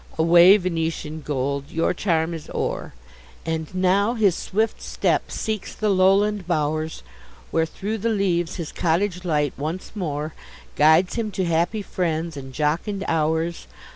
Away, Venetian gold—your charm is o'er! And now his swift step seeks the lowland bow'rs, Where, through the leaves, his cottage light once more Guides him to happy friends, and jocund hours.